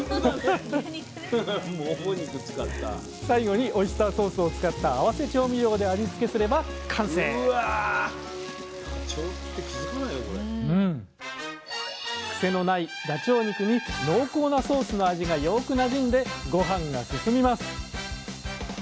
最後にオイスターソースを使った合わせ調味料で味付けすれば完成癖のないダチョウ肉に濃厚なソースの味がよくなじんでご飯がすすみます。